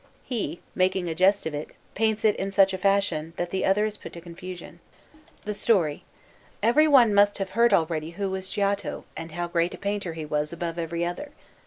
He, making a jest of it, paints it in such a fashion that the other is put to confusion." The story: "Everyone must have heard already who was Giotto, and how great a painter he was above every other.